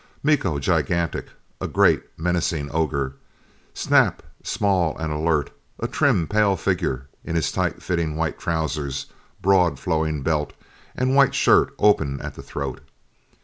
Miko gigantic a great menacing ogre. Snap small and alert a trim, pale figure in his tight fitting white trousers, broad flowing belt, and white shirt open at the throat.